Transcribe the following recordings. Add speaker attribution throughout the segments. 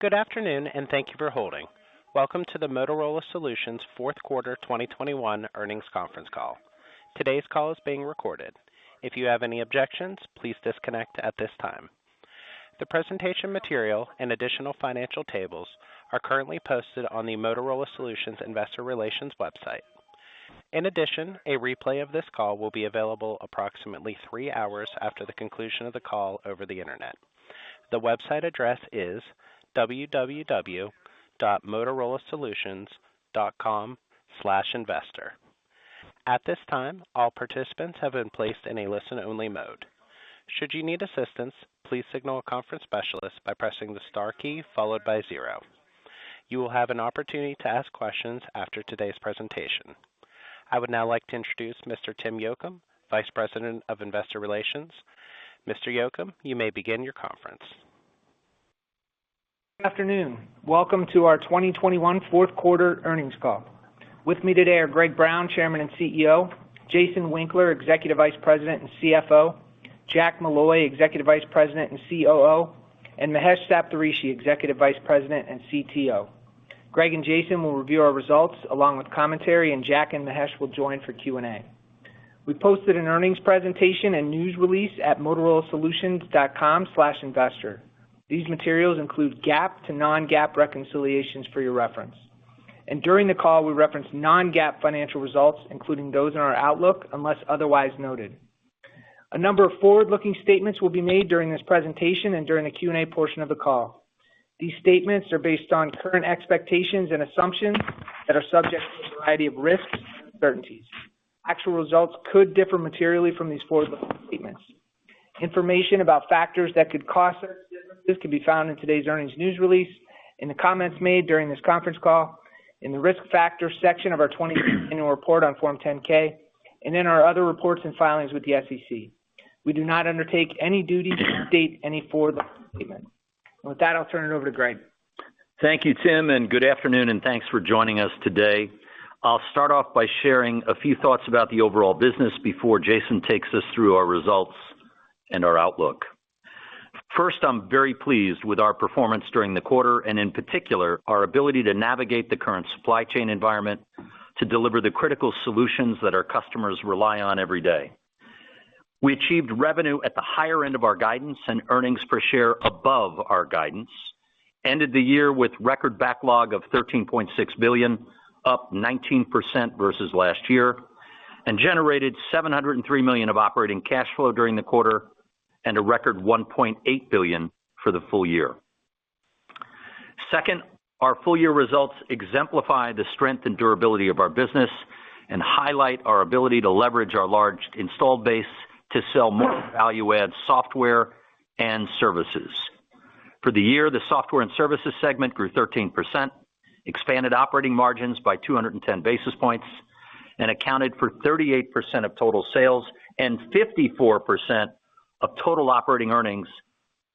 Speaker 1: Good afternoon, and thank you for holding. Welcome to the Motorola Solutions 4th Quarter 2021 Earnings Conference Call. Today's call is being recorded. If you have any objections, please disconnect at this time. The presentation material and additional financial tables are currently posted on the Motorola Solutions investor relations website. In addition, a replay of this call will be available approximately 3 hours after the conclusion of the call over the Internet. The website address is www.motorolasolutions.com/investor. At this time, all participants have been placed in a listen-only mode. Should you need assistance, please signal a conference specialist by pressing the star key followed by zero. You will have an opportunity to ask questions after today's presentation. I would now like to introduce Mr. Tim Yocum, Vice President of Investor Relations. Mr. Yocum, you may begin your conference.
Speaker 2: Good afternoon. Welcome to our 2021 fourth quarter earnings call. With me today are Greg Brown, Chairman and CEO, Jason Winkler, Executive Vice President and CFO, Jack Molloy, Executive Vice President and COO, and Mahesh Saptharishi, Executive Vice President and CTO. Greg and Jason will review our results along with commentary, and Jack and Mahesh will join for Q&A. We posted an earnings presentation and news release at motorolasolutions.com/investor. These materials include GAAP to non-GAAP reconciliations for your reference. During the call, we reference non-GAAP financial results, including those in our outlook, unless otherwise noted. A number of forward-looking statements will be made during this presentation and during the Q&A portion of the call. These statements are based on current expectations and assumptions that are subject to a variety of risks and uncertainties. Actual results could differ materially from these forward-looking statements. Information about factors that could cause such differences can be found in today's earnings news release, in the comments made during this conference call, in the Risk Factors section of our 2020 annual report on Form 10-K, and in our other reports and filings with the SEC. We do not undertake any duty to update any forward-looking statements. With that, I'll turn it over to Greg.
Speaker 3: Thank you, Tim, and good afternoon, and thanks for joining us today. I'll start off by sharing a few thoughts about the overall business before Jason takes us through our results and our outlook. First, I'm very pleased with our performance during the quarter, and in particular, our ability to navigate the current supply chain environment to deliver the critical solutions that our customers rely on every day. We achieved revenue at the higher end of our guidance and earnings per share above our guidance, ended the year with record backlog of $13.6 billion, up 19% versus last year, and generated $703 million of operating cash flow during the quarter and a record $1.8 billion for the full year. Second, our full year results exemplify the strength and durability of our business and highlight our ability to leverage our large installed base to sell more value-add software and services. For the year, the Software and Services segment grew 13%, expanded operating margins by 210 basis points, and accounted for 38% of total sales and 54% of total operating earnings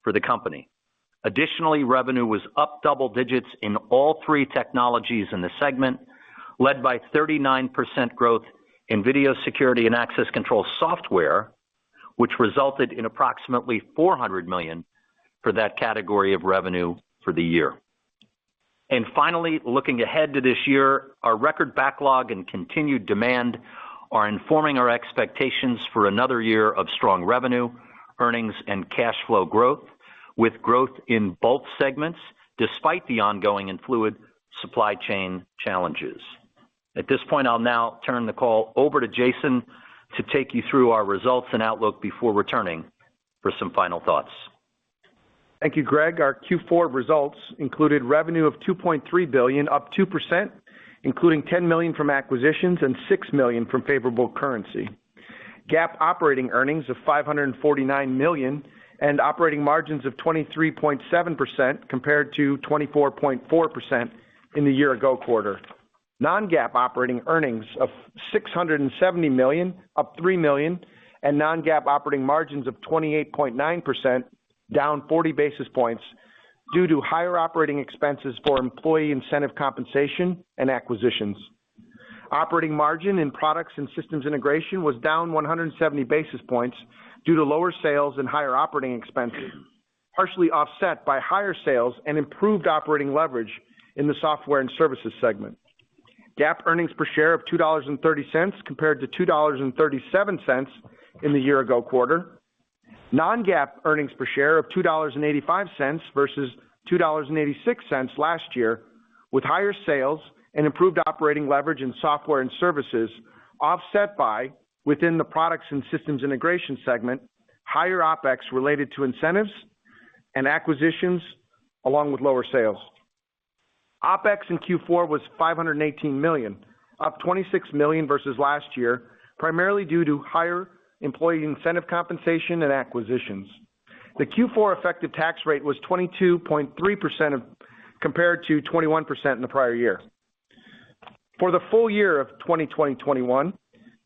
Speaker 3: for the company. Additionally, revenue was up double digits in all three technologies in the segment, led by 39% growth in video security and access control software, which resulted in approximately $400 million for that category of revenue for the year. Finally, looking ahead to this year, our record backlog and continued demand are informing our expectations for another year of strong revenue, earnings, and cash flow growth, with growth in both segments despite the ongoing and fluid supply chain challenges. At this point, I'll now turn the call over to Jason to take you through our results and outlook before returning for some final thoughts.
Speaker 4: Thank you, Greg. Our Q4 results included revenue of $2.3 billion, up 2%, including $10 million from acquisitions and $6 million from favorable currency. GAAP operating earnings of $549 million and operating margins of 23.7% compared to 24.4% in the year ago quarter. Non-GAAP operating earnings of $670 million, up $3 million, and non-GAAP operating margins of 28.9%, down 40 basis points due to higher operating expenses for employee incentive compensation and acquisitions. Operating margin in products and systems integration was down 170 basis points due to lower sales and higher operating expenses, partially offset by higher sales and improved operating leverage in the software and services segment. GAAP earnings per share of $2.30 compared to $2.37 in the year ago quarter. Non-GAAP earnings per share of $2.85 versus $2.86 last year, with higher sales and improved operating leverage in software and services offset by, within the products and systems integration segment, higher OpEx related to incentives and acquisitions along with lower sales. OpEx in Q4 was $518 million, up $26 million versus last year, primarily due to higher employee incentive compensation and acquisitions. The Q4 effective tax rate was 22.3%, compared to 21% in the prior year. For the full year of 2021,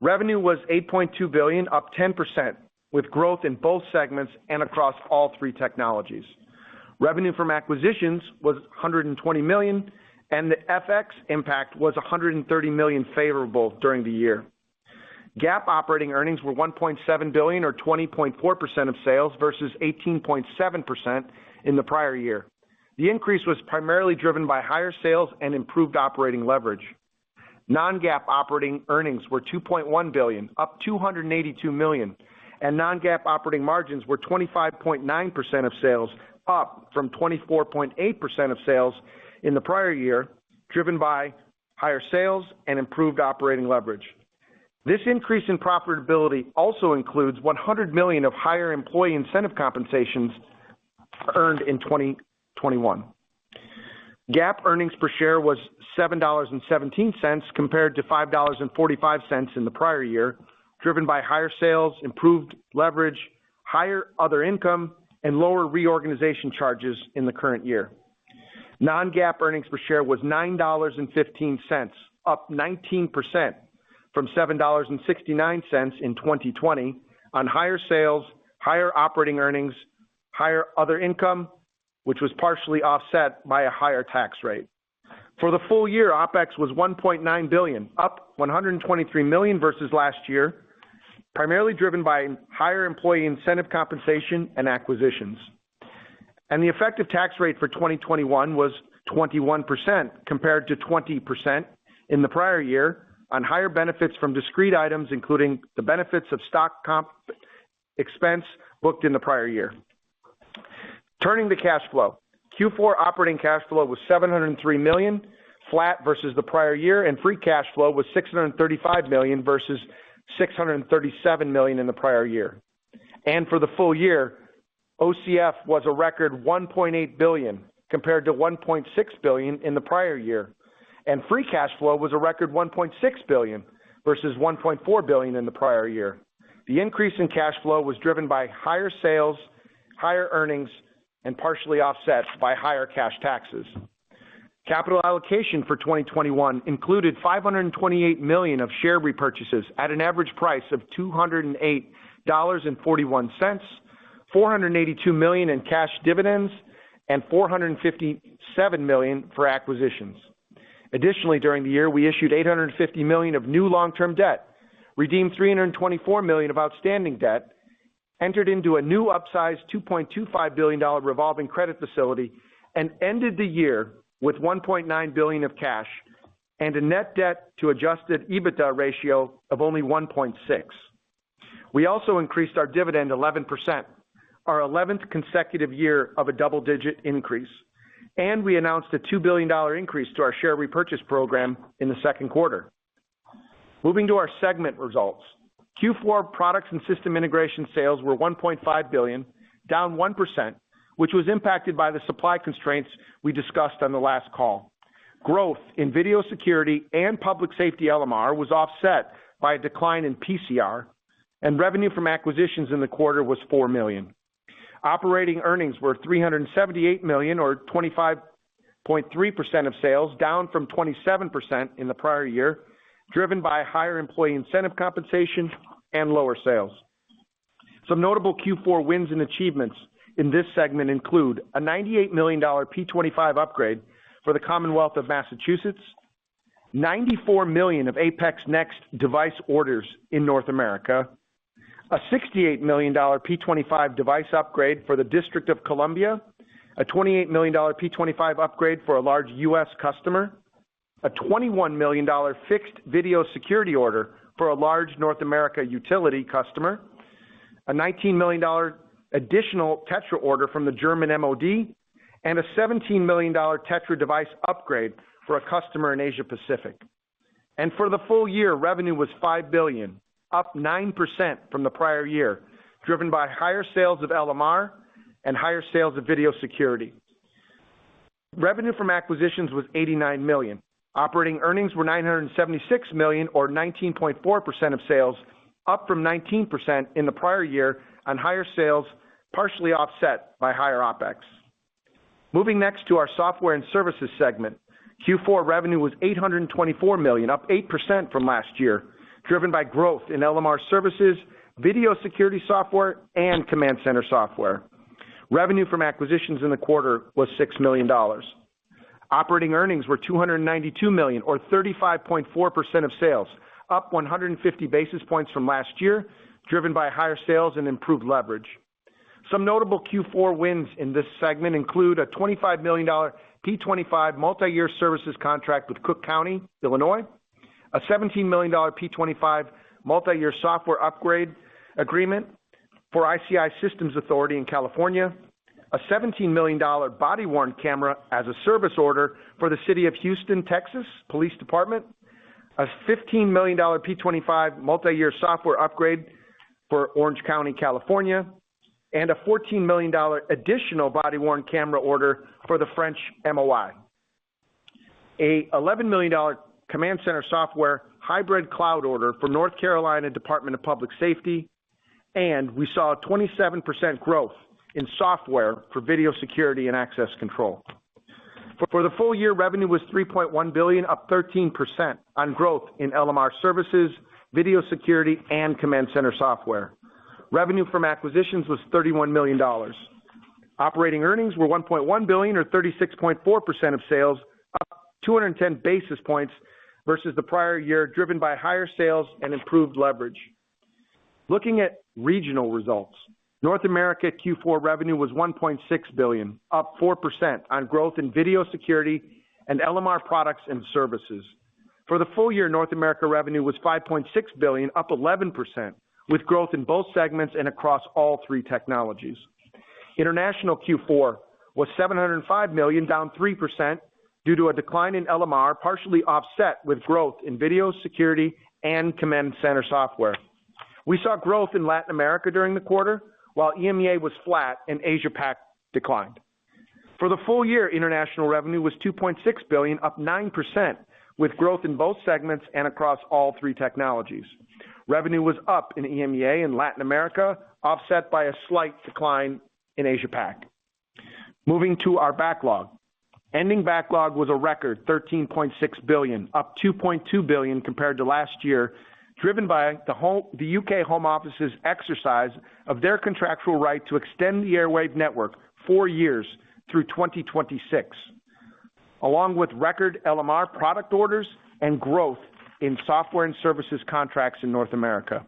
Speaker 4: revenue was $8.2 billion, up 10%, with growth in both segments and across all three technologies. Revenue from acquisitions was $120 million, and the FX impact was $130 million favorable during the year. GAAP operating earnings were $1.7 billion or 20.4% of sales versus 18.7% in the prior year. The increase was primarily driven by higher sales and improved operating leverage. Non-GAAP operating earnings were $2.1 billion, up $282 million, and non-GAAP operating margins were 25.9% of sales, up from 24.8% of sales in the prior year, driven by higher sales and improved operating leverage. This increase in profitability also includes $100 million of higher employee incentive compensations earned in 2021. GAAP earnings per share was $7.17 compared to $5.45 in the prior year, driven by higher sales, improved leverage, higher other income, and lower reorganization charges in the current year. Non-GAAP earnings per share was $9.15, up 19% from $7.69 in 2020 on higher sales, higher operating earnings, higher other income, which was partially offset by a higher tax rate. For the full year, OpEx was $1.9 billion, up $123 million versus last year, primarily driven by higher employee incentive compensation and acquisitions. The effective tax rate for 2021 was 21% compared to 20% in the prior year on higher benefits from discrete items, including the benefits of stock comp expense booked in the prior year. Turning to cash flow. Q4 operating cash flow was $703 million, flat versus the prior year, and free cash flow was $635 million versus $637 million in the prior year. For the full year, OCF was a record $1.8 billion compared to $1.6 billion in the prior year. Free cash flow was a record $1.6 billion versus $1.4 billion in the prior year. The increase in cash flow was driven by higher sales, higher earnings, and partially offset by higher cash taxes. Capital allocation for 2021 included $528 million of share repurchases at an average price of $208.41, $482 million in cash dividends, and $457 million for acquisitions. Additionally, during the year, we issued $850 million of new long-term debt, redeemed $324 million of outstanding debt, entered into a new upsized $2.25 billion revolving credit facility, and ended the year with $1.9 billion of cash and a net debt to adjusted EBITDA ratio of only 1.6. We also increased our dividend 11%, our 11th consecutive year of a double-digit increase. We announced a $2 billion increase to our share repurchase program in the second quarter. Moving to our segment results. Q4 products and system integration sales were $1.5 billion, down 1%, which was impacted by the supply constraints we discussed on the last call. Growth in video security and public safety LMR was offset by a decline in PCR, and revenue from acquisitions in the quarter was $4 million. Operating earnings were $378 million or 25.3% of sales, down from 27% in the prior year, driven by higher employee incentive compensation and lower sales. Some notable Q4 wins and achievements in this segment include a $98 million P25 upgrade for the Commonwealth of Massachusetts, $94 million of APX NEXT device orders in North America, a $68 million P25 device upgrade for the District of Columbia, a $28 million P25 upgrade for a large U.S. customer, a $21 million fixed video security order for a large North America utility customer, a $19 million additional TETRA order from the German MOD, and a $17 million TETRA device upgrade for a customer in Asia Pacific. For the full year, revenue was $5 billion, up 9% from the prior year, driven by higher sales of LMR and higher sales of video security. Revenue from acquisitions was $89 million. Operating earnings were $976 million or 19.4% of sales, up from 19% in the prior year on higher sales, partially offset by higher OpEx. Moving next to our software and services segment. Q4 revenue was $824 million, up 8% from last year, driven by growth in LMR services, video security software, and command center software. Revenue from acquisitions in the quarter was $6 million. Operating earnings were $292 million or 35.4% of sales, up 150 basis points from last year, driven by higher sales and improved leverage. Some notable Q4 wins in this segment include a $25 million P25 multi-year services contract with Cook County, Illinois, a $17 million P25 multi-year software upgrade agreement for ICI System Authority in California, a $17 million body-worn camera as a service order for the City of Houston, Texas Police Department, a $15 million P25 multi-year software upgrade for Orange County, California, and a $14 million additional body-worn camera order for the French Ministry of the Interior, an $11 million command center software hybrid cloud order for North Carolina Department of Public Safety. We saw a 27% growth in software for video security and access control. For the full year, revenue was $3.1 billion, up 13% on growth in LMR services, video security, and command center software. Revenue from acquisitions was $31 million. Operating earnings were $1.1 billion or 36.4% of sales, up 210 basis points versus the prior year, driven by higher sales and improved leverage. Looking at regional results, North America Q4 revenue was $1.6 billion, up 4% on growth in video security and LMR products and services. For the full year, North America revenue was $5.6 billion, up 11%, with growth in both segments and across all three technologies. International Q4 was $705 million, down 3% due to a decline in LMR, partially offset with growth in video security and command center software. We saw growth in Latin America during the quarter while EMEA was flat and Asia PAC declined. For the full year, international revenue was $2.6 billion, up 9%, with growth in both segments and across all three technologies. Revenue was up in EMEA and Latin America, offset by a slight decline in Asia PAC. Moving to our backlog. Ending backlog was a record $13.6 billion, up $2.2 billion compared to last year, driven by the UK Home Office's exercise of their contractual right to extend the Airwave network 4 years through 2026, along with record LMR product orders and growth in software and services contracts in North America.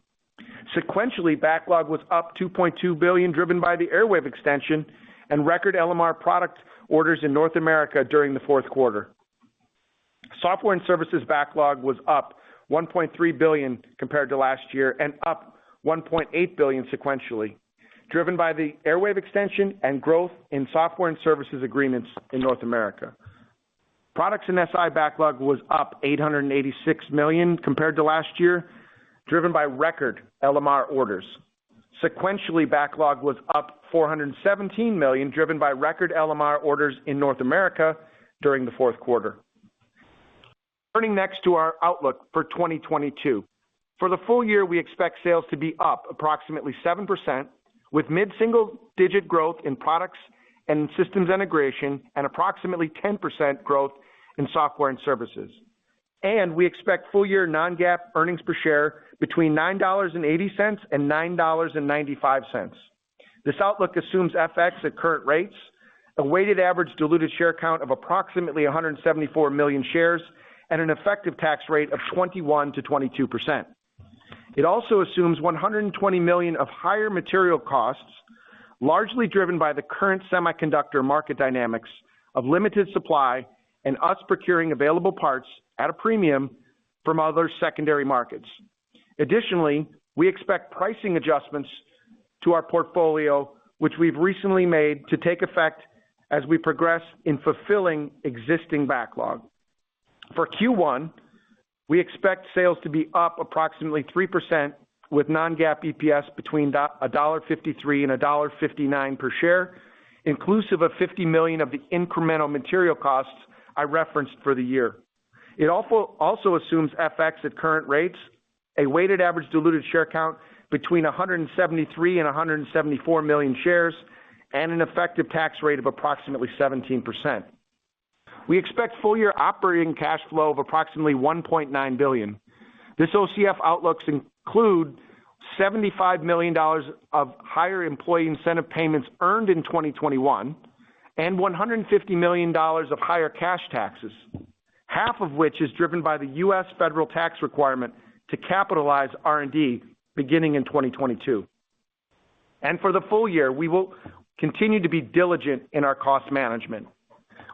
Speaker 4: Sequentially, backlog was up $2.2 billion, driven by the Airwave extension and record LMR product orders in North America during the fourth quarter. Software and services backlog was up $1.3 billion compared to last year and up $1.8 billion sequentially, driven by the Airwave extension and growth in software and services agreements in North America. Products and SI backlog was up $886 million compared to last year, driven by record LMR orders. Sequentially, backlog was up $417 million, driven by record LMR orders in North America during the fourth quarter. Turning next to our outlook for 2022. For the full year, we expect sales to be up approximately 7%, with mid-single digit growth in products and systems integration and approximately 10% growth in software and services. We expect full-year non-GAAP earnings per share between $9.80 and $9.95. This outlook assumes FX at current rates, a weighted average diluted share count of approximately 174 million shares, and an effective tax rate of 21%-22%. It also assumes $120 million of higher material costs, largely driven by the current semiconductor market dynamics of limited supply and us procuring available parts at a premium from other secondary markets. Additionally, we expect pricing adjustments to our portfolio, which we've recently made to take effect as we progress in fulfilling existing backlog. For Q1, we expect sales to be up approximately 3%, with non-GAAP EPS between $1.53 and $1.59 per share, inclusive of $50 million of the incremental material costs I referenced for the year. It also assumes FX at current rates, a weighted average diluted share count between 173 and 174 million shares, and an effective tax rate of approximately 17%. We expect full-year operating cash flow of approximately $1.9 billion. This OCF outlook includes $75 million of higher employee incentive payments earned in 2021 and $150 million of higher cash taxes, half of which is driven by the U.S. federal tax requirement to capitalize R&D beginning in 2022. For the full year, we will continue to be diligent in our cost management.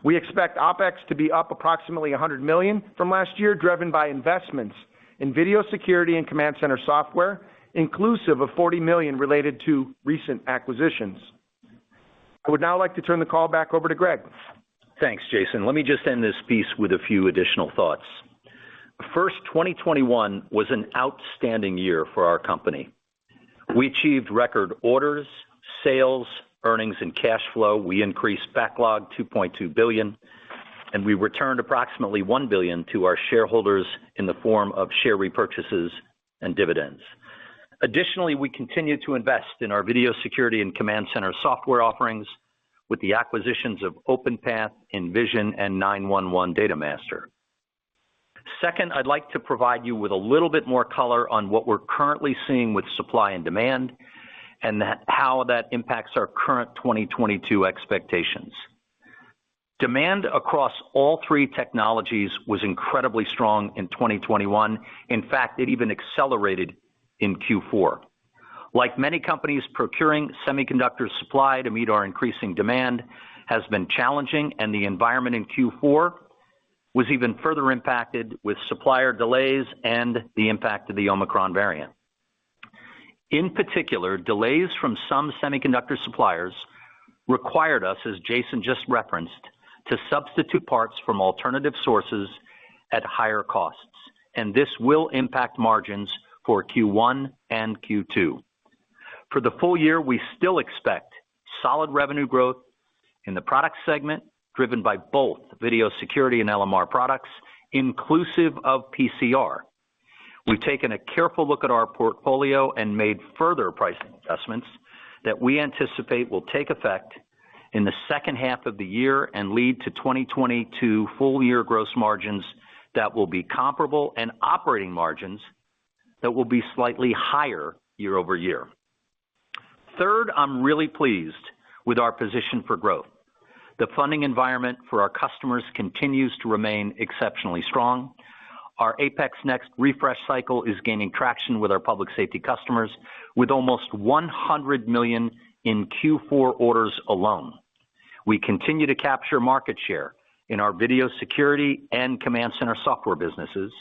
Speaker 4: We expect OpEx to be up approximately $100 million from last year, driven by investments in video security and command center software, inclusive of $40 million related to recent acquisitions. I would now like to turn the call back over to Greg.
Speaker 3: Thanks, Jason. Let me just end this piece with a few additional thoughts. First, 2021 was an outstanding year for our company. We achieved record orders, sales, earnings, and cash flow. We increased backlog $2.2 billion, and we returned approximately $1 billion to our shareholders in the form of share repurchases and dividends. Additionally, we continued to invest in our video security and command center software offerings with the acquisitions of Openpath, Envysion, and 911 Datamaster. Second, I'd like to provide you with a little bit more color on what we're currently seeing with supply and demand and how that impacts our current 2022 expectations. Demand across all three technologies was incredibly strong in 2021. In fact, it even accelerated in Q4. Like many companies, procuring semiconductor supply to meet our increasing demand has been challenging, and the environment in Q4 was even further impacted with supplier delays and the impact of the Omicron variant. In particular, delays from some semiconductor suppliers required us, as Jason just referenced, to substitute parts from alternative sources at higher costs, and this will impact margins for Q1 and Q2. For the full year, we still expect solid revenue growth in the product segment, driven by both video security and LMR products, inclusive of PCR. We've taken a careful look at our portfolio and made further pricing adjustments that we anticipate will take effect in the second half of the year and lead to 2022 full-year gross margins that will be comparable and operating margins that will be slightly higher year-over-year. Third, I'm really pleased with our position for growth. The funding environment for our customers continues to remain exceptionally strong. Our APX NEXT refresh cycle is gaining traction with our public safety customers with almost $100 million in Q4 orders alone. We continue to capture market share in our video security and command center software businesses,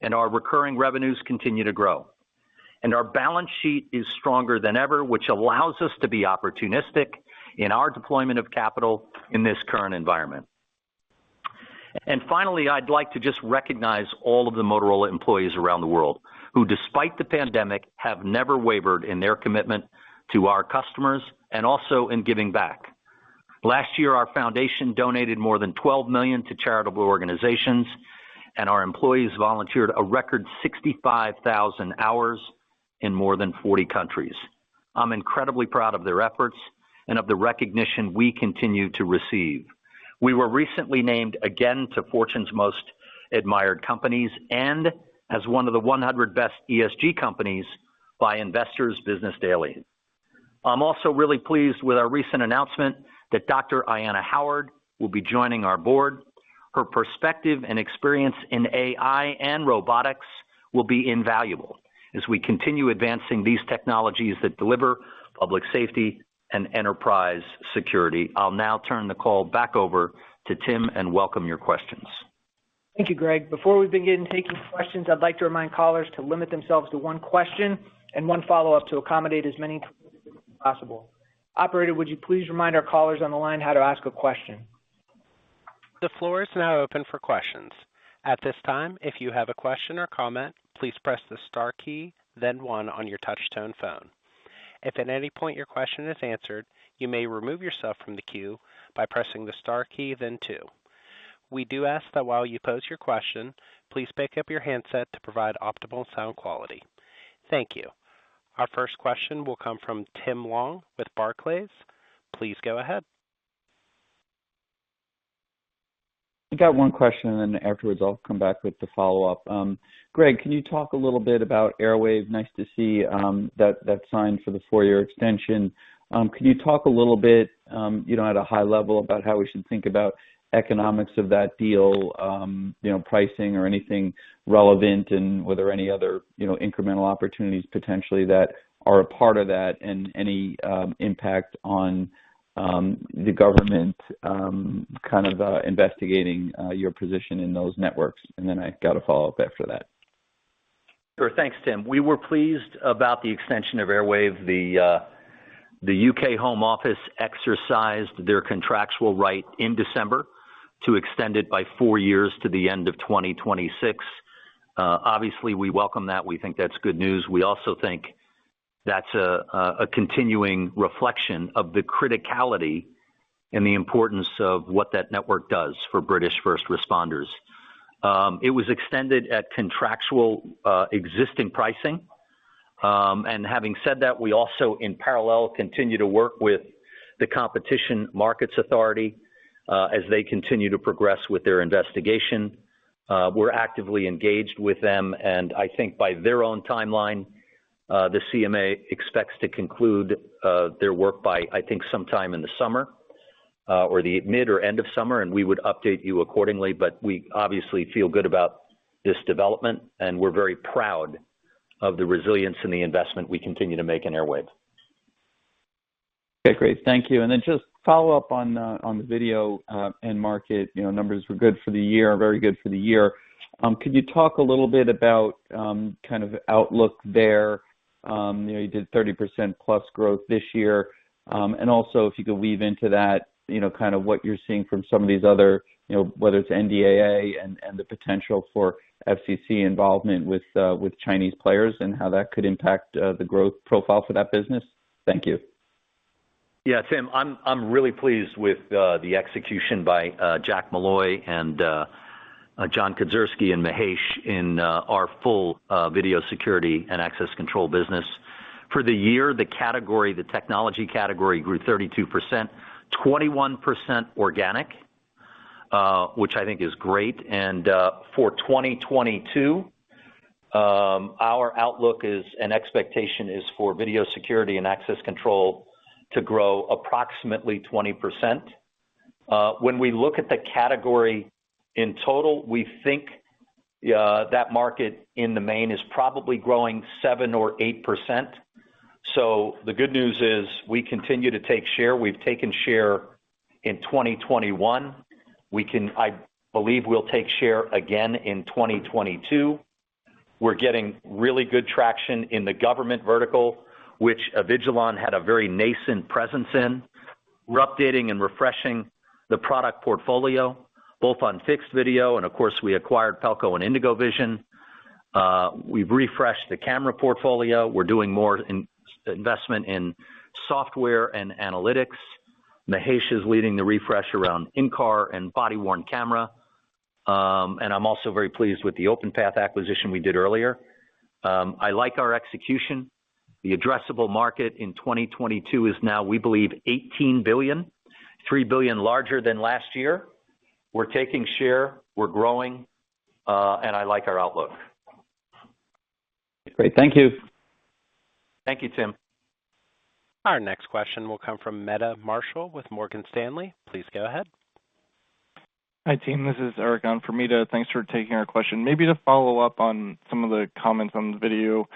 Speaker 3: and our recurring revenues continue to grow. Our balance sheet is stronger than ever, which allows us to be opportunistic in our deployment of capital in this current environment. Finally, I'd like to just recognize all of the Motorola employees around the world who, despite the pandemic, have never wavered in their commitment to our customers and also in giving back. Last year, our foundation donated more than $12 million to charitable organizations, and our employees volunteered a record 65,000 hours in more than 40 countries. I'm incredibly proud of their efforts and of the recognition we continue to receive. We were recently named again to Fortune's Most Admired Companies and as one of the 100 best ESG companies by Investor's Business Daily. I'm also really pleased with our recent announcement that Dr. Ayanna Howard will be joining our board. Her perspective and experience in AI and robotics will be invaluable as we continue advancing these technologies that deliver public safety and enterprise security. I'll now turn the call back over to Tim and welcome your questions.
Speaker 2: Thank you, Greg. Before we begin taking questions, I'd like to remind callers to limit themselves to one question and one follow-up to accommodate as many possible. Operator, would you please remind our callers on the line how to ask a question?
Speaker 1: The floor is now open for questions. At this time, if you have a question or comment, please press the star key, then one on your touchtone phone. If at any point your question is answered, you may remove yourself from the queue by pressing the star key, then two. We do ask that while you pose your question, please pick up your handset to provide optimal sound quality. Thank you. Our first question will come from Tim Long with Barclays. Please go ahead.
Speaker 5: I got one question, and then afterwards, I'll come back with the follow-up. Greg, can you talk a little bit about Airwave? Nice to see that sign for the four-year extension. Can you talk a little bit, you know, at a high level about how we should think about economics of that deal, you know, pricing or anything relevant, and whether any other, you know, incremental opportunities potentially that are a part of that and any impact on the government kind of investigating your position in those networks? Then I got a follow-up after that.
Speaker 3: Sure. Thanks, Tim. We were pleased about the extension of Airwave. The UK Home Office exercised their contractual right in December to extend it by four years to the end of 2026. Obviously we welcome that. We think that's good news. We also think that's a continuing reflection of the criticality and the importance of what that network does for British first responders. It was extended at contractual existing pricing. Having said that, we also in parallel continue to work with the Competition and Markets Authority as they continue to progress with their investigation. We're actively engaged with them, and I think by their own timeline the CMA expects to conclude their work by, I think, sometime in the summer or the mid or end of summer, and we would update you accordingly. We obviously feel good about this development, and we're very proud of the resilience and the investment we continue to make in Airwave.
Speaker 5: Okay. Great. Thank you. Just follow up on the video end market. You know, numbers were good for the year, very good for the year. Could you talk a little bit about kind of outlook there? You know, you did 30% plus growth this year. Also, if you could weave into that, you know, kind of what you're seeing from some of these other, you know, whether it's NDAA and the potential for FCC involvement with Chinese players and how that could impact the growth profile for that business. Thank you.
Speaker 3: Yeah, Tim. I'm really pleased with the execution by Jack Molloy and John Kedzierski and Mahesh in our full video security and access control business. For the year, the category, the technology category grew 32%, 21% organic, which I think is great. For 2022, our outlook and expectation is for video security and access control to grow approximately 20%. When we look at the category in total, we think that market in the main is probably growing 7%-8%. The good news is we continue to take share. We've taken share in 2021. I believe we'll take share again in 2022. We're getting really good traction in the government vertical, which Avigilon had a very nascent presence in. We're updating and refreshing the product portfolio both on fixed video and of course we acquired Pelco and IndigoVision. We've refreshed the camera portfolio. We're doing more in investment in software and analytics. Mahesh is leading the refresh around in-car and body-worn camera. I'm also very pleased with the Openpath acquisition we did earlier. I like our execution. The addressable market in 2022 is now, we believe $18 billion, $3 billion larger than last year. We're taking share, we're growing, and I like our outlook.
Speaker 5: Great. Thank you.
Speaker 3: Thank you, Tim.
Speaker 1: Our next question will come from Meta Marshall with Morgan Stanley. Please go ahead.
Speaker 6: Hi, team. This is Ergan from Meta Marshall. Thanks for taking our question. Maybe to follow up on some of the comments on the video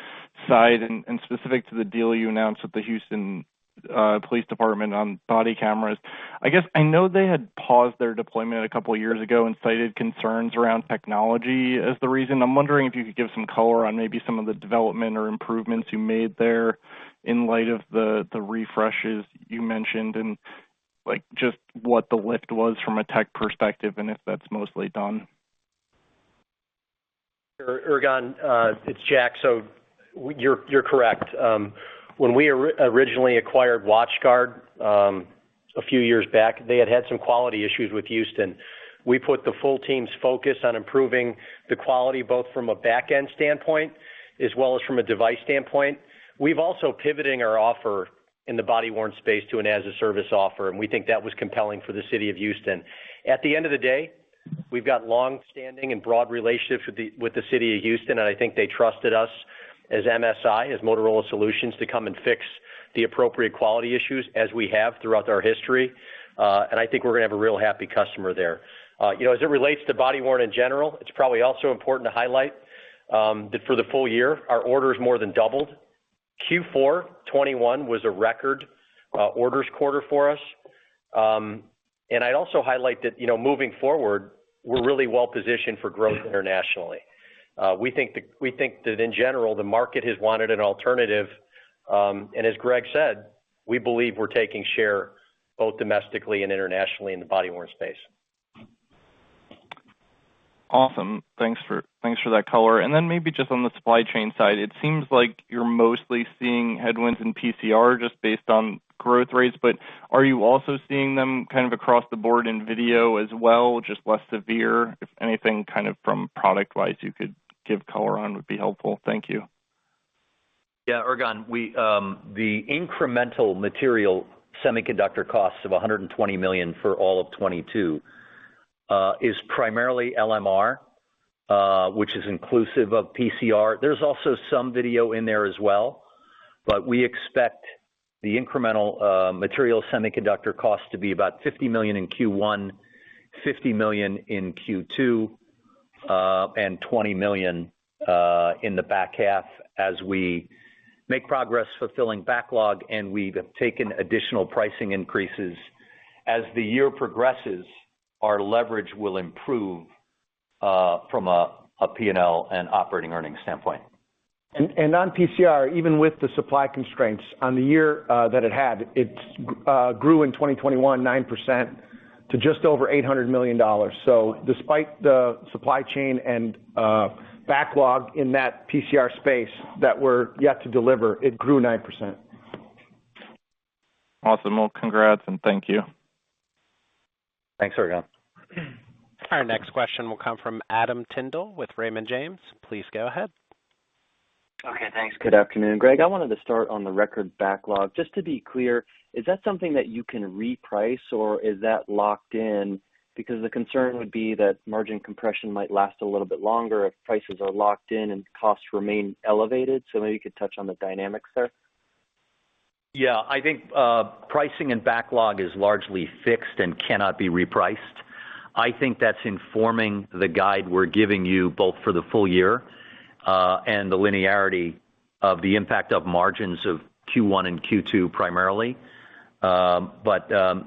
Speaker 6: side and specific to the deal you announced with the Houston Police Department on body cameras. I guess I know they had paused their deployment a couple years ago and cited concerns around technology as the reason. I'm wondering if you could give some color on maybe some of the development or improvements you made there in light of the refreshes you mentioned, and like, just what the lift was from a tech perspective, and if that's mostly done.
Speaker 7: Ergan, it's Jack. You're correct. When we originally acquired WatchGuard a few years back, they had some quality issues with Houston. We put the full team's focus on improving the quality, both from a backend standpoint as well as from a device standpoint. We've also pivoting our offer in the body-worn space to an as-a-service offer, and we think that was compelling for the city of Houston. At the end of the day, we've got longstanding and broad relationships with the city of Houston, and I think they trusted us as MSI, as Motorola Solutions, to come and fix the appropriate quality issues as we have throughout our history. I think we're gonna have a real happy customer there. You know, as it relates to body-worn in general, it's probably also important to highlight that for the full year, our orders more than doubled. Q4 2021 was a record orders quarter for us. I'd also highlight that, you know, moving forward, we're really well positioned for growth internationally. We think that in general, the market has wanted an alternative. As Greg said, we believe we're taking share both domestically and internationally in the body-worn space.
Speaker 6: Awesome. Thanks for that color. Then maybe just on the supply chain side, it seems like you're mostly seeing headwinds in PCR just based on growth rates. Are you also seeing them kind of across the board in video as well, just less severe? If anything kind of from product-wise you could give color on would be helpful. Thank you.
Speaker 3: Yeah, Ergan, we, the incremental material semiconductor costs of $120 million for all of 2022 is primarily LMR, which is inclusive of PCR. There's also some video in there as well, but we expect the incremental material semiconductor cost to be about $50 million in Q1, $50 million in Q2, and $20 million in the back half as we make progress fulfilling backlog, and we've taken additional pricing increases. As the year progresses, our leverage will improve from a P&L and operating earnings standpoint.
Speaker 4: On PCR, even with the supply constraints on the year that it had, it grew in 2021 9% to just over $800 million. Despite the supply chain and backlog in that PCR space that we're yet to deliver, it grew 9%.
Speaker 6: Awesome. Well, congrats and thank you.
Speaker 3: Thanks, Ergan.
Speaker 1: Our next question will come from Adam Tindle with Raymond James. Please go ahead.
Speaker 8: Okay, thanks. Good afternoon. Greg, I wanted to start on the record backlog. Just to be clear, is that something that you can reprice, or is that locked in? Because the concern would be that margin compression might last a little bit longer if prices are locked in and costs remain elevated. Maybe you could touch on the dynamics there.
Speaker 3: Yeah. I think pricing and backlog is largely fixed and cannot be repriced. I think that's informing the guide we're giving you both for the full year and the linearity of the impact of margins of Q1 and Q2 primarily. The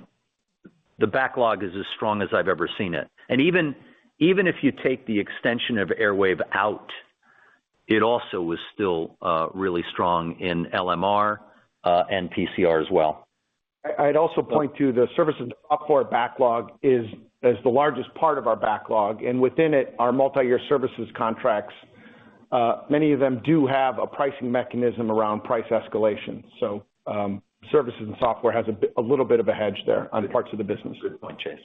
Speaker 3: backlog is as strong as I've ever seen it. Even if you take the extension of Airwave out, it also was still really strong in LMR and PCR as well.
Speaker 4: I'd also point to the services and software backlog is the largest part of our backlog, and within it, our multi-year services contracts, many of them do have a pricing mechanism around price escalation. Services and software has a little bit of a hedge there on parts of the business.
Speaker 3: Good point, Jason.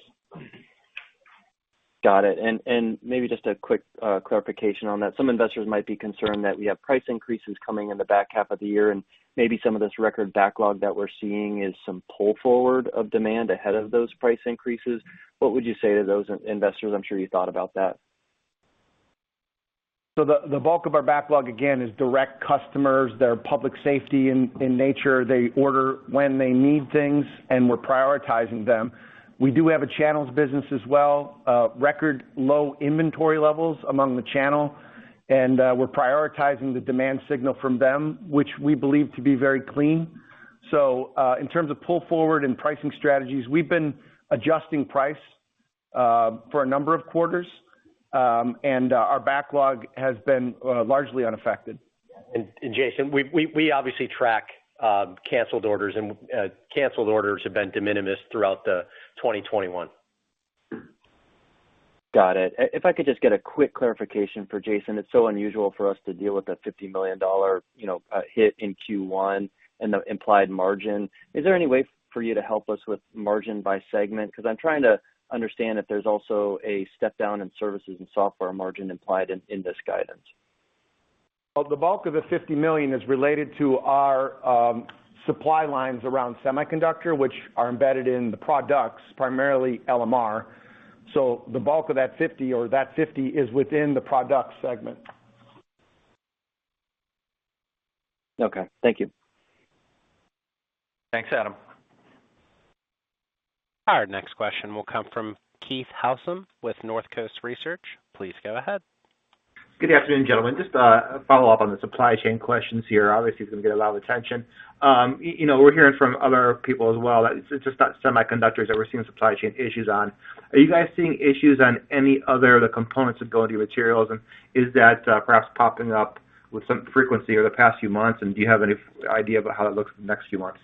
Speaker 8: Got it. Maybe just a quick clarification on that. Some investors might be concerned that we have price increases coming in the back half of the year, and maybe some of this record backlog that we're seeing is some pull forward of demand ahead of those price increases. What would you say to those investors? I'm sure you thought about that.
Speaker 4: The bulk of our backlog, again, is direct customers. They're public safety in nature. They order when they need things, and we're prioritizing them. We do have a channels business as well. Record low inventory levels among the channel, and we're prioritizing the demand signal from them, which we believe to be very clean. In terms of pull forward and pricing strategies, we've been adjusting price for a number of quarters, and our backlog has been largely unaffected.
Speaker 3: Jason, we obviously track canceled orders, and canceled orders have been de minimis throughout 2021.
Speaker 8: Got it. If I could just get a quick clarification for Jason. It's so unusual for us to deal with a $50 million, you know, hit in Q1 and the implied margin. Is there any way for you to help us with margin by segment? 'Cause I'm trying to understand if there's also a step down in services and software margin implied in this guidance.
Speaker 4: Well, the bulk of the $50 million is related to our supply chain around semiconductors, which are embedded in the products, primarily LMR. The bulk of that $50 is within the product segment.
Speaker 8: Okay. Thank you.
Speaker 7: Thanks, Adam.
Speaker 1: Our next question will come from Keith Housum with Northcoast Research. Please go ahead.
Speaker 9: Good afternoon, gentlemen. Just a follow-up on the supply chain questions here. Obviously, it's gonna get a lot of attention. You know, we're hearing from other people as well that it's just not semiconductors that we're seeing supply chain issues on. Are you guys seeing issues on any other components or raw materials? And is that perhaps popping up with some frequency over the past few months? And do you have any idea about how it looks the next few months?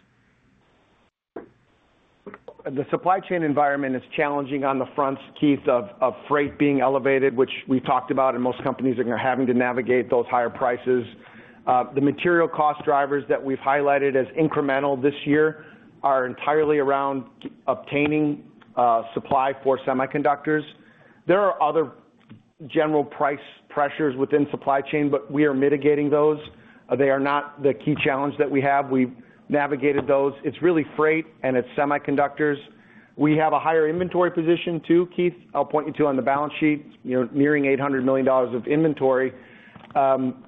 Speaker 4: The supply chain environment is challenging on the fronts, Keith, of freight being elevated, which we talked about, and most companies are having to navigate those higher prices. The material cost drivers that we've highlighted as incremental this year are entirely around obtaining supply for semiconductors. There are other general price pressures within supply chain, but we are mitigating those. They are not the key challenge that we have. We've navigated those. It's really freight and it's semiconductors. We have a higher inventory position too, Keith. I'll point you to on the balance sheet. You know, nearing $800 million of inventory.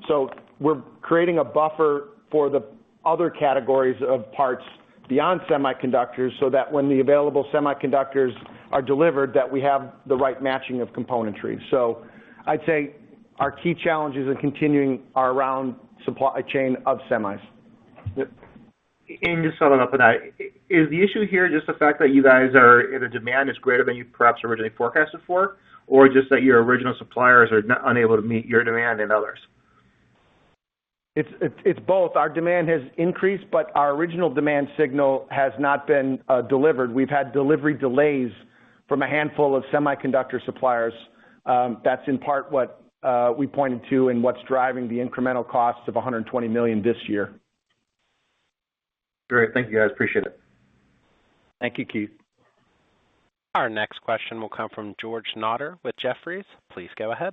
Speaker 4: So we're creating a buffer for the other categories of parts beyond semiconductors, so that when the available semiconductors are delivered, that we have the right matching of componentry. I'd say our key challenges in continuing are around supply chain of semis.
Speaker 9: Just following up on that. Is the issue here just the fact that the demand is greater than you perhaps originally forecasted for? Or just that your original suppliers are unable to meet your demand and others?
Speaker 4: It's both. Our demand has increased, but our original demand signal has not been delivered. We've had delivery delays from a handful of semiconductor suppliers. That's in part what we pointed to in what's driving the incremental cost of $120 million this year.
Speaker 9: Great. Thank you guys. Appreciate it.
Speaker 4: Thank you, Keith.
Speaker 1: Our next question will come from George Notter with Jefferies. Please go ahead.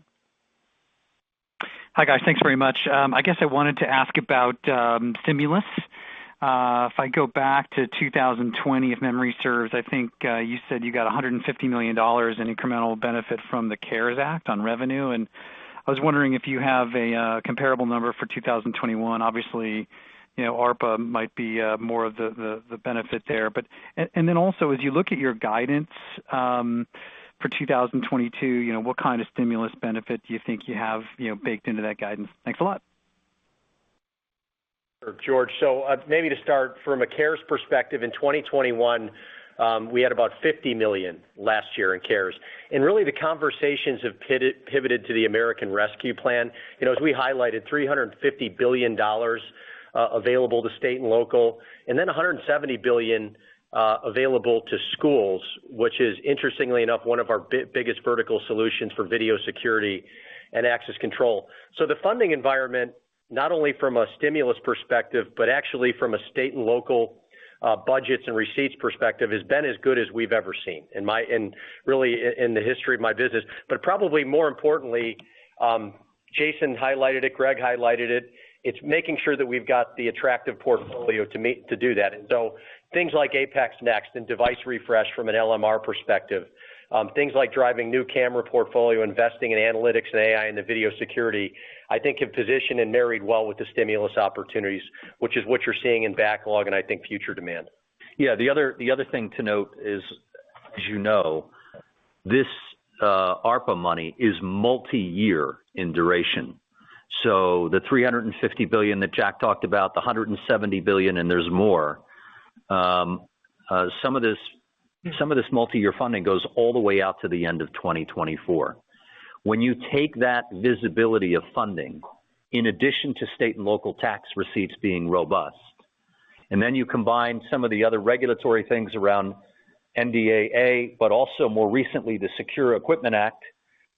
Speaker 10: Hi, guys. Thanks very much. I guess I wanted to ask about stimulus. If I go back to 2020, if memory serves, I think you said you got $150 million in incremental benefit from the CARES Act on revenue. I was wondering if you have a comparable number for 2021. Obviously, you know, ARPA might be more of the benefit there. Then also, as you look at your guidance for 2022, you know, what kind of stimulus benefit do you think you have baked into that guidance? Thanks a lot.
Speaker 7: Sure, George. Maybe to start from a CARES perspective in 2021, we had about $50 million last year in CARES. Really the conversations have pivoted to the American Rescue Plan. You know, as we highlighted, $350 billion available to state and local, and then $170 billion available to schools, which is interestingly enough one of our biggest vertical solutions for video security and access control. The funding environment, not only from a stimulus perspective, but actually from a state and local budgets and receipts perspective, has been as good as we've ever seen in really, in the history of my business. Probably more importantly, Jason highlighted it, Greg highlighted it. It's making sure that we've got the attractive portfolio to do that. Things like APX NEXT and device refresh from an LMR perspective, things like driving new camera portfolio, investing in analytics and AI into video security, I think have positioned and married well with the stimulus opportunities, which is what you're seeing in backlog and I think future demand.
Speaker 3: Yeah. The other thing to note is, as you know, this ARPA money is multi-year in duration. The $350 billion that Jack talked about, $170 billion, and there's more, some of this multi-year funding goes all the way out to the end of 2024. When you take that visibility of funding in addition to state and local tax receipts being robust, and then you combine some of the other regulatory things around NDAA, but also more recently the Secure Equipment Act,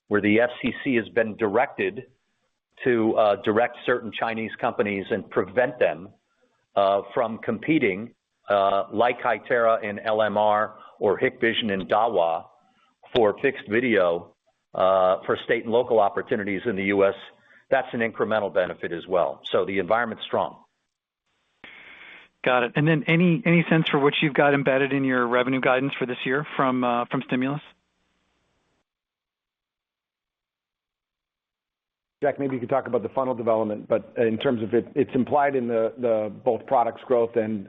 Speaker 3: where the FCC has been directed to direct certain Chinese companies and prevent them from competing, like Hytera in LMR or Hikvision and Dahua for fixed video, for state and local opportunities in the U.S., that's an incremental benefit as well. The environment's strong.
Speaker 10: Got it. Any sense for which you've got embedded in your revenue guidance for this year from stimulus?
Speaker 4: Jack, maybe you could talk about the funnel development, but in terms of it's implied in the both products growth and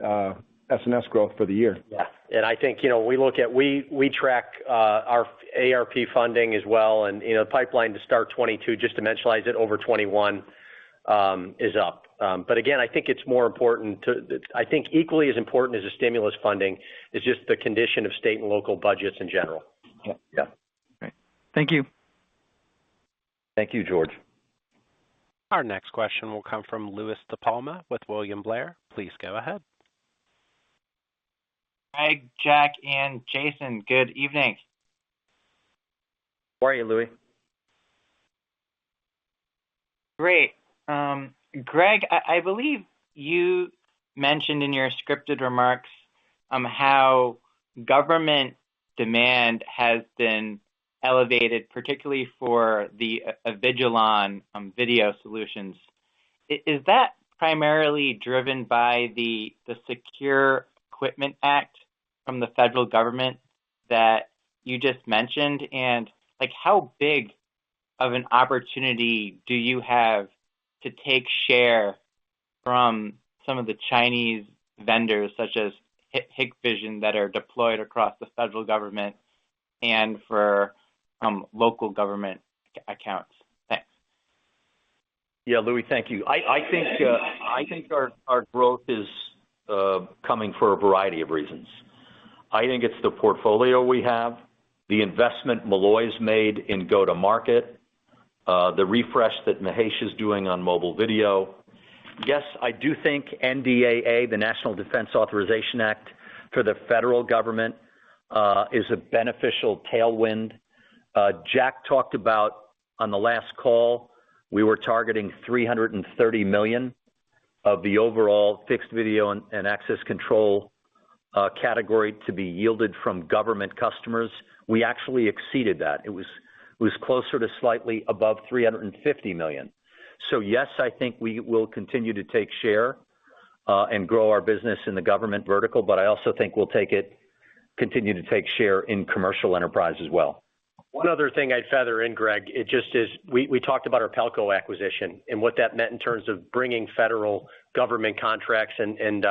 Speaker 4: SNS growth for the year.
Speaker 7: Yeah. I think, you know, we track our ARP funding as well and, you know, pipeline to start 2022 just to dimensionalize it over 2021 is up. Again, I think it's equally as important as the stimulus funding is just the condition of state and local budgets in general.
Speaker 4: Yeah.
Speaker 10: All right. Thank you.
Speaker 4: Thank you, George.
Speaker 1: Our next question will come from Louie DiPalma with William Blair. Please go ahead.
Speaker 11: Hi, Jack and Jason. Good evening.
Speaker 7: How are you, Louie?
Speaker 11: Great. Greg, I believe you mentioned in your scripted remarks. How has government demand been elevated, particularly for the Avigilon video solutions? Is that primarily driven by the Secure Equipment Act from the federal government that you just mentioned? Like how big of an opportunity do you have to take share from some of the Chinese vendors, such as Hikvision that are deployed across the federal government and for local government accounts? Thanks.
Speaker 3: Yeah, Louie, thank you. I think our growth is coming for a variety of reasons. I think it's the portfolio we have, the investment Molloy's made in go-to-market, the refresh that Mahesh is doing on mobile video. Yes, I do think NDAA, the National Defense Authorization Act for the federal government, is a beneficial tailwind. Jack talked about on the last call, we were targeting $330 million of the overall fixed video and access control category to be yielded from government customers. We actually exceeded that. It was closer to slightly above $350 million. Yes, I think we will continue to take share and grow our business in the government vertical, but I also think we'll take it, continue to take share in commercial enterprise as well.
Speaker 7: One other thing I'd feather in, Greg, it's just that we talked about our Pelco acquisition and what that meant in terms of bringing federal government contracts, and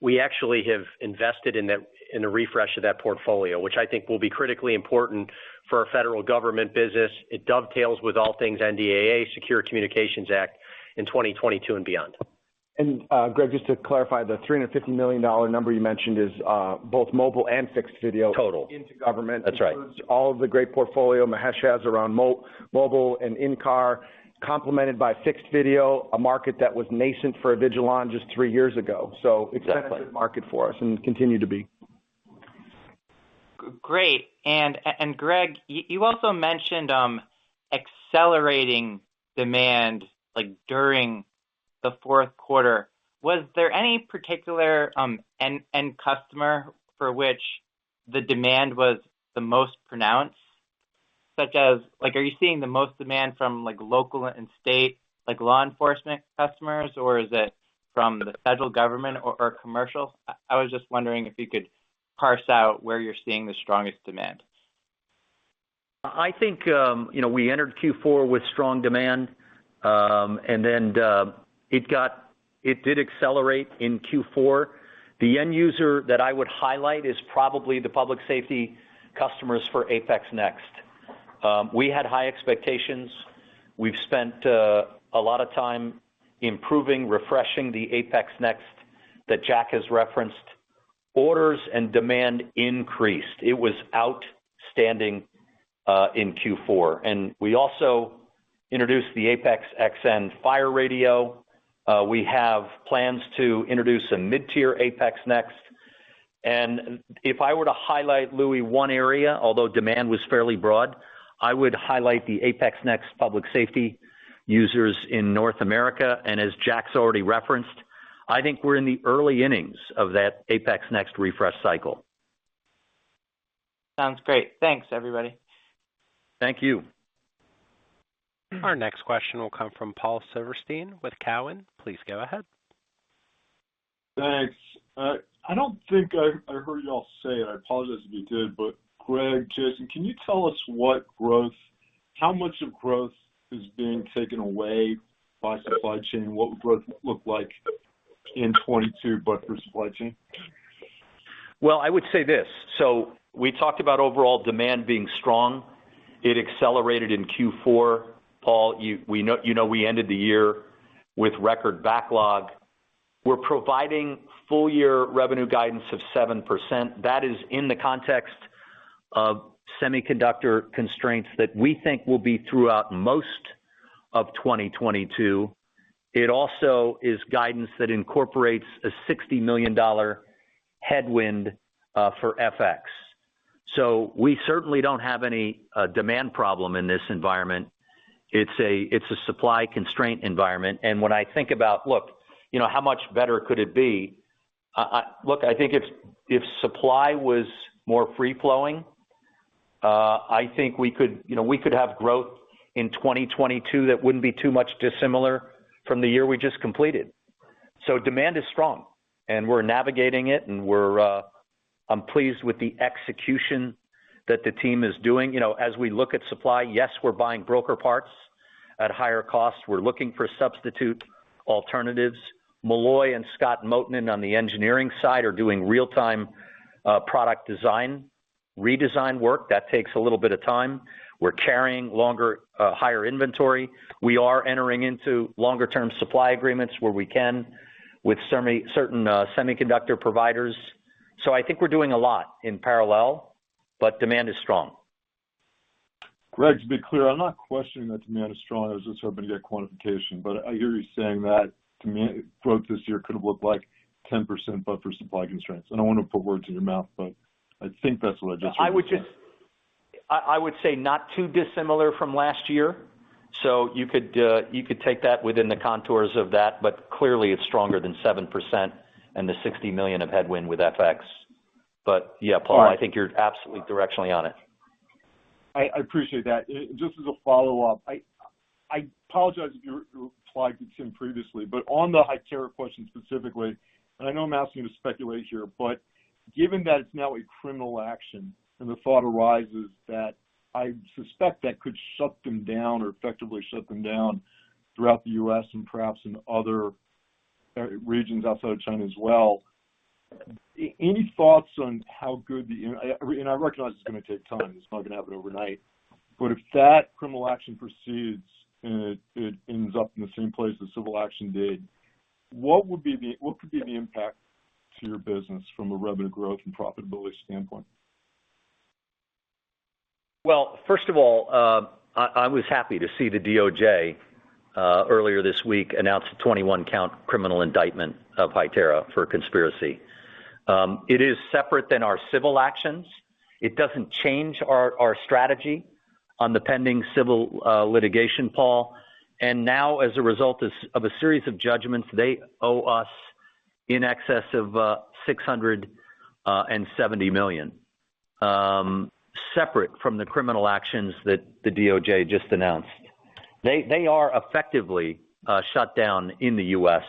Speaker 7: we actually have invested in that, in a refresh of that portfolio, which I think will be critically important for our federal government business. It dovetails with all things NDAA, Secure Equipment Act in 2022 and beyond.
Speaker 4: Greg, just to clarify, the $350 million number you mentioned is both mobile and fixed video-
Speaker 7: Total.
Speaker 4: into government.
Speaker 7: That's right.
Speaker 4: Includes all of the great portfolio Mahesh has around mobile and in-car, complemented by fixed video, a market that was nascent for Avigilon just three years ago.
Speaker 7: Exactly.
Speaker 4: It's an important market for us and continue to be.
Speaker 11: Great. Greg, you also mentioned accelerating demand, like, during the fourth quarter. Was there any particular end customer for which the demand was the most pronounced? Such as, like, are you seeing the most demand from, like, local and state, like, law enforcement customers? Or is it from the federal government or commercial? I was just wondering if you could parse out where you're seeing the strongest demand.
Speaker 3: I think, you know, we entered Q4 with strong demand, and then it did accelerate in Q4. The end user that I would highlight is probably the public safety customers for APX NEXT. We had high expectations. We've spent a lot of time improving, refreshing the APX NEXT that Jack has referenced. Orders and demand increased. It was outstanding in Q4. We also introduced the APX NEXT XN fire radio. We have plans to introduce a mid-tier APX NEXT. If I were to highlight, Louie, one area, although demand was fairly broad, I would highlight the APX NEXT public safety users in North America, and as Jack's already referenced, I think we're in the early innings of that APX NEXT refresh cycle.
Speaker 11: Sounds great. Thanks, everybody.
Speaker 3: Thank you.
Speaker 1: Our next question will come from Paul Silverstein with Cowen. Please go ahead.
Speaker 12: Thanks. I don't think I heard y'all say it. I apologize if you did, but Greg, Jason, can you tell us what growth, how much of growth is being taken away by supply chain? What would growth look like in 2022 but for supply chain?
Speaker 3: Well, I would say this. We talked about overall demand being strong. It accelerated in Q4, Paul. We know, you know we ended the year with record backlog. We're providing full year revenue guidance of 7%. That is in the context of semiconductor constraints that we think will be throughout most of 2022. It also is guidance that incorporates a $60 million headwind for FX. We certainly don't have any demand problem in this environment. It's a supply constraint environment. When I think about, look, you know, how much better could it be? Look, I think if supply was more free flowing, I think we could, you know, we could have growth in 2022 that wouldn't be too much dissimilar from the year we just completed. Demand is strong, and we're navigating it, and I'm pleased with the execution that the team is doing. You know, as we look at supply, yes, we're buying broker parts at higher costs. We're looking for substitute alternatives. Molloy and Scott Mottonen on the engineering side are doing real-time product design, redesign work. That takes a little bit of time. We're carrying longer, higher inventory. We are entering into longer term supply agreements where we can with certain semiconductor providers. I think we're doing a lot in parallel, but demand is strong.
Speaker 12: Greg, to be clear, I'm not questioning that demand is strong. I was just hoping to get quantification. I hear you saying that demand growth this year could have looked like 10%, but for supply constraints. I don't wanna put words in your mouth, but I think that's what I just heard you say.
Speaker 3: I would say not too dissimilar from last year. You could take that within the contours of that, but clearly it's stronger than 7% and the $60 million of headwind with FX. Yeah, Paul, I think you're absolutely directionally on it.
Speaker 12: I appreciate that. Just as a follow-up, I apologize if you replied to Tim previously, but on the Hytera question specifically, and I know I'm asking you to speculate here, but given that it's now a criminal action and the thought arises that I suspect that could shut them down or effectively shut them down throughout the U.S. and perhaps in other regions outside of China as well. Any thoughts on how good the... I recognize it's gonna take time. It's not gonna happen overnight. If that criminal action proceeds and it ends up in the same place the civil action did, what could be the impact to your business from a revenue growth and profitability standpoint?
Speaker 3: Well, first of all, I was happy to see the DOJ earlier this week announce a 21-count criminal indictment of Hytera for conspiracy. It is separate than our civil actions. It doesn't change our strategy on the pending civil litigation, Paul. Now, as a result of a series of judgments, they owe us in excess of $670 million separate from the criminal actions that the DOJ just announced. They are effectively shut down in the U.S.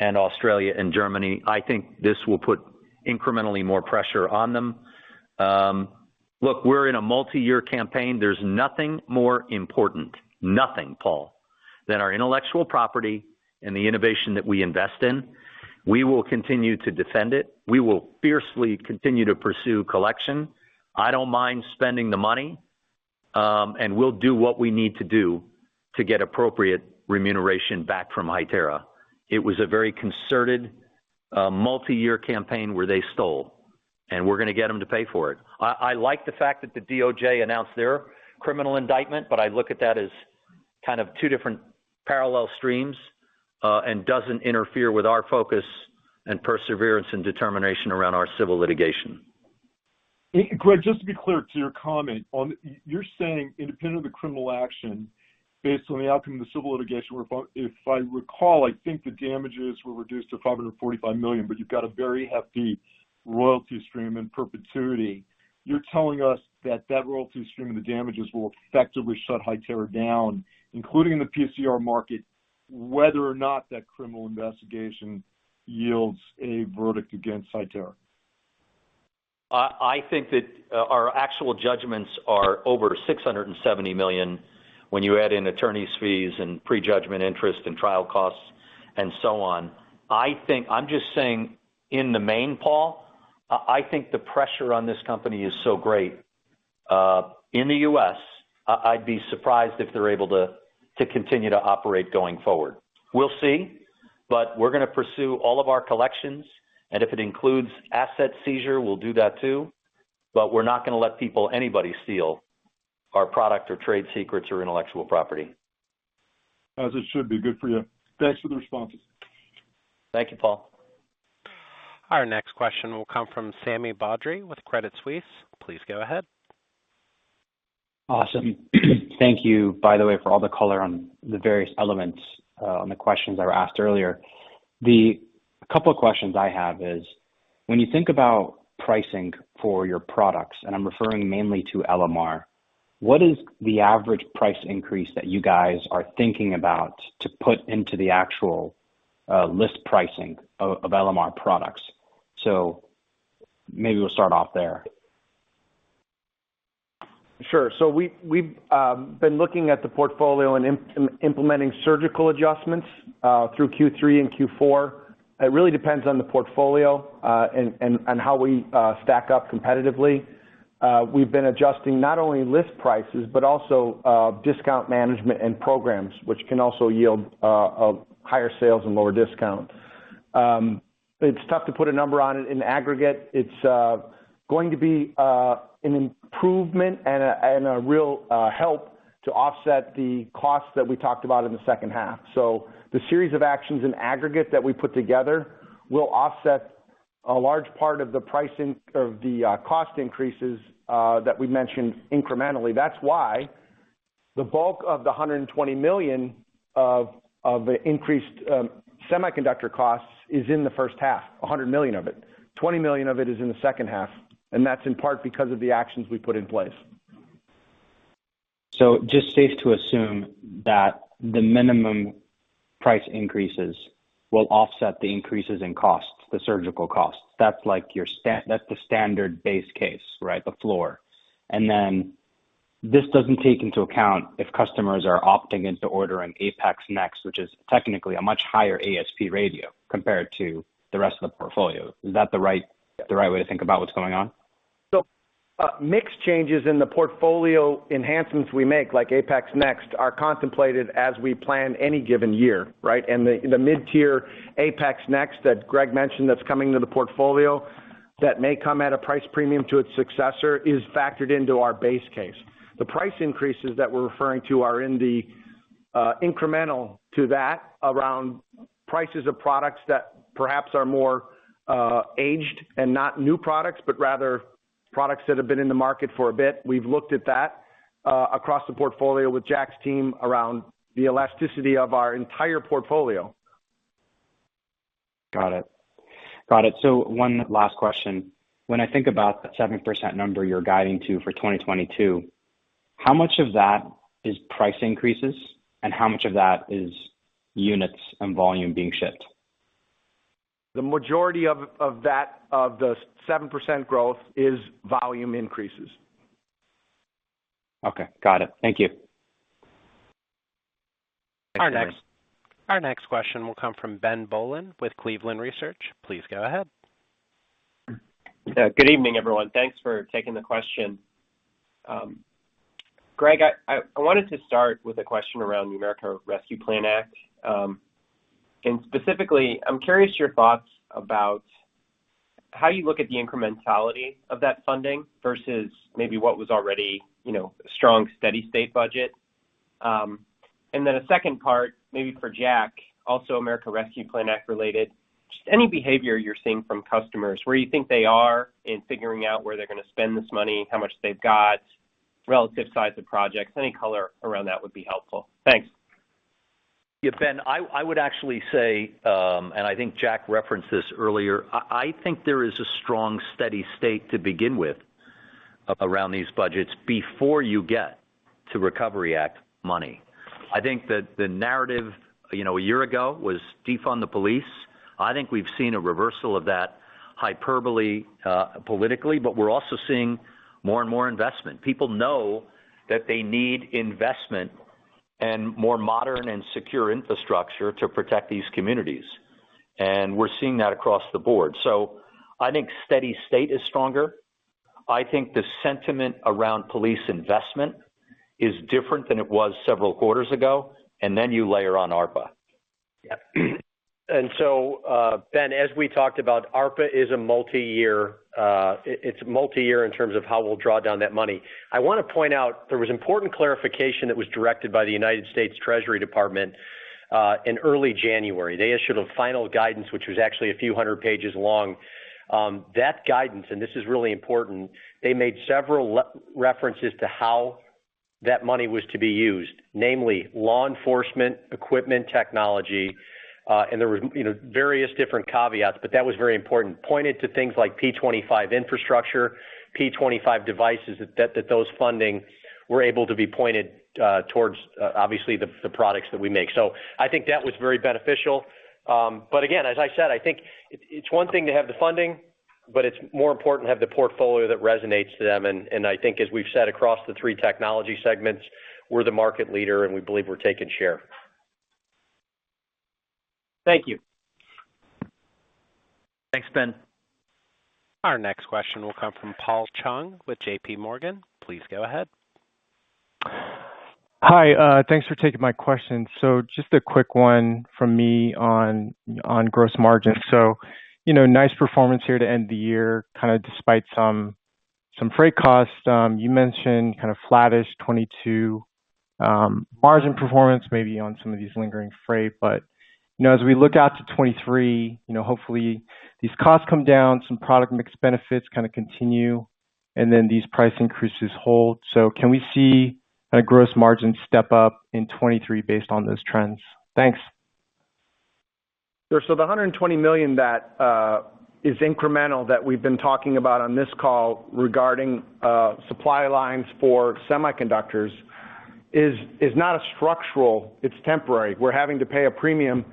Speaker 3: and Australia and Germany. I think this will put incrementally more pressure on them. Look, we're in a multi-year campaign. There's nothing more important, Paul, than our intellectual property and the innovation that we invest in. We will continue to defend it. We will fiercely continue to pursue collection. I don't mind spending the money, and we'll do what we need to do to get appropriate remuneration back from Hytera. It was a very concerted multi-year campaign where they stole, and we're gonna get them to pay for it. I like the fact that the DOJ announced their criminal indictment, but I look at that as kind of two different parallel streams, and doesn't interfere with our focus and perseverance and determination around our civil litigation.
Speaker 12: Greg, just to be clear to your comment on. You're saying independent of the criminal action, based on the outcome of the civil litigation, where if I recall, I think the damages were reduced to $545 million, but you've got a very hefty royalty stream in perpetuity. You're telling us that that royalty stream and the damages will effectively shut Hytera down, including in the PCR market, whether or not that criminal investigation yields a verdict against Hytera.
Speaker 3: I think that our actual judgments are over $670 million when you add in attorneys' fees and prejudgment interest and trial costs and so on. I think I'm just saying in the main, Paul, I think the pressure on this company is so great in the U.S. I'd be surprised if they're able to continue to operate going forward. We'll see, but we're gonna pursue all of our collections, and if it includes asset seizure, we'll do that too. But we're not gonna let people, anybody steal our product or trade secrets or intellectual property.
Speaker 12: As it should be. Good for you. Thanks for the responses.
Speaker 3: Thank you, Paul.
Speaker 1: Our next question will come from Sami Badri with Credit Suisse. Please go ahead.
Speaker 13: Awesome. Thank you, by the way, for all the color on the various elements on the questions that were asked earlier. A couple of questions I have is, when you think about pricing for your products, and I'm referring mainly to LMR, what is the average price increase that you guys are thinking about to put into the actual list pricing of LMR products? Maybe we'll start off there.
Speaker 4: Sure. We've been looking at the portfolio and implementing surgical adjustments through Q3 and Q4. It really depends on the portfolio and how we stack up competitively. We've been adjusting not only list prices, but also discount management and programs, which can also yield higher sales and lower discounts. It's tough to put a number on it in aggregate. It's going to be an improvement and a real help to offset the costs that we talked about in the second half. The series of actions in aggregate that we put together will offset a large part of the cost increases that we mentioned incrementally. That's why the bulk of the $120 million of increased semiconductor costs is in the first half, $100 million of it. $20 million of it is in the second half, and that's in part because of the actions we put in place.
Speaker 13: Is it safe to assume that the minimum price increases will offset the increases in costs, the surging costs? That's like your standard base case, right? The floor. This doesn't take into account if customers are opting into ordering APX NEXT, which is technically a much higher ASP radio compared to the rest of the portfolio. Is that the right way to think about what's going on?
Speaker 4: Mix changes in the portfolio enhancements we make, like APX NEXT, are contemplated as we plan any given year, right? The mid-tier APX NEXT that Greg mentioned that's coming to the portfolio that may come at a price premium to its successor is factored into our base case. The price increases that we're referring to are in the incremental to that around prices of products that perhaps are more aged and not new products, but rather products that have been in the market for a bit. We've looked at that across the portfolio with Jack's team around the elasticity of our entire portfolio.
Speaker 13: Got it. One last question. When I think about the 7% number you're guiding to for 2022, how much of that is price increases, and how much of that is units and volume being shipped?
Speaker 4: The majority of the 7% growth is volume increases.
Speaker 13: Okay, got it. Thank you.
Speaker 1: Our next question will come from Ben Bollin with Cleveland Research. Please go ahead.
Speaker 14: Yeah. Good evening, everyone. Thanks for taking the question. Greg, I wanted to start with a question around the American Rescue Plan Act. Specifically, I'm curious your thoughts about how you look at the incrementality of that funding versus maybe what was already, you know, strong, steady state budget. A second part, maybe for Jack, also American Rescue Plan Act related, just any behavior you're seeing from customers, where you think they are in figuring out where they're gonna spend this money, how much they've got, relative size of projects. Any color around that would be helpful. Thanks.
Speaker 3: Yeah, Ben, I would actually say, and I think Jack referenced this earlier. I think there is a strong, steady state to begin with around these budgets before you get to Recovery Act money. I think that the narrative, you know, a year ago was defund the police. I think we've seen a reversal of that hyperbole, politically, but we're also seeing more and more investment. People know that they need investment and more modern and secure infrastructure to protect these communities. We're seeing that across the board. I think steady state is stronger. I think the sentiment around police investment is different than it was several quarters ago, and then you layer on ARPA. Yeah. Ben, as we talked about, ARPA is a multi-year, it's multi-year in terms of how we'll draw down that money. I wanna point out, there was important clarification that was directed by the U.S. Department of the Treasury in early January. They issued a final guidance, which was actually a few hundred pages long. That guidance, and this is really important, they made several references to how that money was to be used, namely law enforcement, equipment technology, and there were, you know, various different caveats, but that was very important. Pointed to things like P25 infrastructure, P25 devices, that those funding were able to be pointed towards, obviously the products that we make. I think that was very beneficial. Again, as I said, I think it's one thing to have the funding, but it's more important to have the portfolio that resonates to them. I think as we've said across the three technology segments, we're the market leader, and we believe we're taking share.
Speaker 14: Thank you.
Speaker 3: Thanks, Ben.
Speaker 1: Our next question will come from Paul Chung with JP Morgan. Please go ahead.
Speaker 15: Hi, thanks for taking my question. Just a quick one from me on gross margins. You know, nice performance here to end the year, kinda despite some freight costs. You mentioned kind of flattish 2022 margin performance, maybe on some of these lingering freight. You know, as we look out to 2023, you know, hopefully these costs come down, some product mix benefits kinda continue, and then these price increases hold. Can we see a gross margin step up in 2023 based on those trends? Thanks.
Speaker 4: Sure. The hundred and twenty million that is incremental that we've been talking about on this call regarding supply lines for semiconductors is not a structural, it's temporary. We're having to pay a premium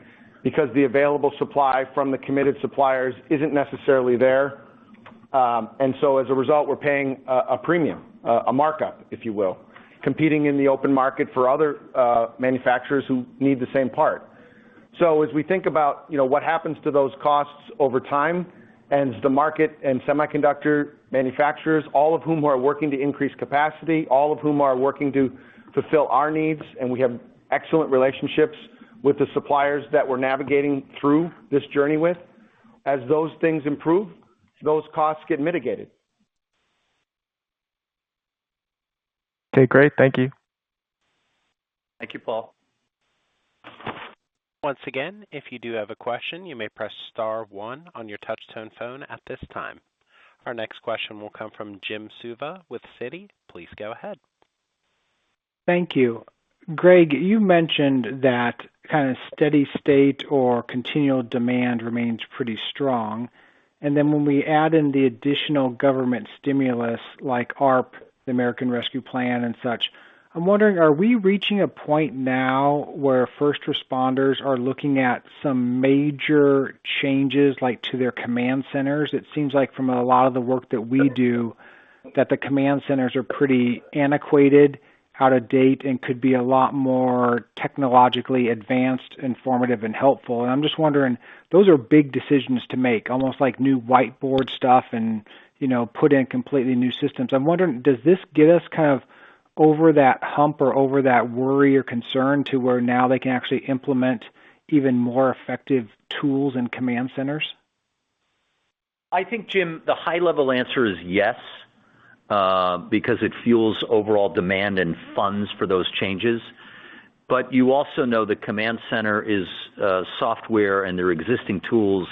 Speaker 4: because the available supply from the committed suppliers isn't necessarily there. As a result, we're paying a premium, a markup, if you will, competing in the open market for other manufacturers who need the same part. As we think about what happens to those costs over time and the market and semiconductor manufacturers, all of whom are working to increase capacity, all of whom are working to fulfill our needs, and we have excellent relationships with the suppliers that we're navigating through this journey with, as those things improve, those costs get mitigated.
Speaker 15: Okay, great. Thank you.
Speaker 3: Thank you, Paul.
Speaker 1: Once again, if you do have a question, you may press star one on your touch tone phone at this time. Our next question will come from Jim Suva with Citi. Please go ahead.
Speaker 16: Thank you. Greg, you mentioned that kind of steady state or continual demand remains pretty strong, and then when we add in the additional government stimulus like ARP, the American Rescue Plan and such. I'm wondering, are we reaching a point now where first responders are looking at some major changes, like, to their command centers? It seems like from a lot of the work that we do, that the command centers are pretty antiquated, out of date, and could be a lot more technologically advanced, informative, and helpful. I'm just wondering, those are big decisions to make, almost like new whiteboard stuff and, you know, put in completely new systems. I'm wondering, does this get us kind of over that hump or over that worry or concern to where now they can actually implement even more effective tools in command centers?
Speaker 3: I think, Jim, the high-level answer is yes, because it fuels overall demand and funds for those changes. You also know that command center is software and their existing tools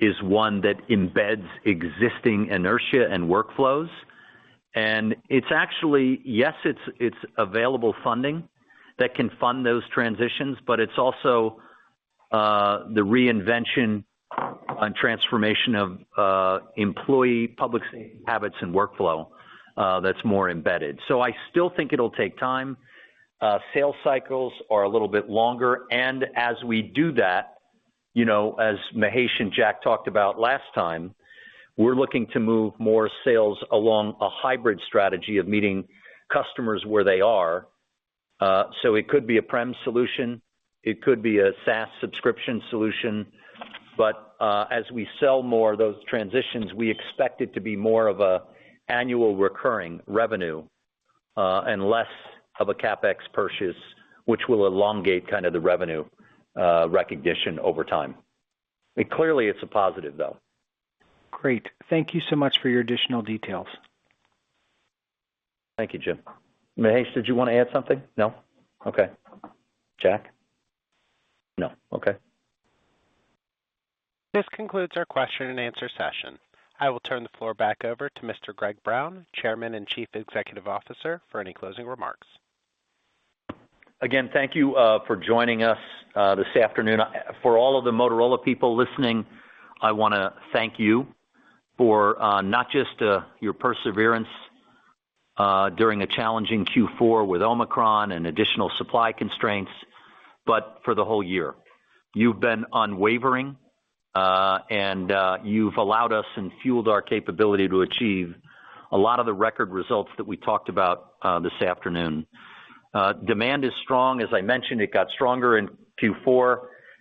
Speaker 3: is one that embeds existing inertia and workflows. It's actually, yes, it's available funding that can fund those transitions, but it's also the reinvention and transformation of employee publishing habits and workflow that's more embedded. I still think it'll take time. Sales cycles are a little bit longer, and as we do that, you know, as Mahesh and Jack talked about last time, we're looking to move more sales along a hybrid strategy of meeting customers where they are. It could be a prem solution, it could be a SaaS subscription solution. As we sell more of those transitions, we expect it to be more of an annual recurring revenue and less of a CapEx purchase, which will elongate kind of the revenue recognition over time. Clearly, it's a positive though.
Speaker 16: Great. Thank you so much for your additional details.
Speaker 3: Thank you, Jim. Mahesh, did you wanna add something? No. Okay. Jack? No. Okay.
Speaker 1: This concludes our question and answer session. I will turn the floor back over to Mr. Greg Brown, Chairman and Chief Executive Officer, for any closing remarks.
Speaker 3: Again, thank you for joining us this afternoon. For all of the Motorola people listening, I wanna thank you for not just your perseverance during a challenging Q4 with Omicron and additional supply constraints, but for the whole year. You've been unwavering, and you've allowed us and fueled our capability to achieve a lot of the record results that we talked about this afternoon. Demand is strong. As I mentioned, it got stronger in Q4,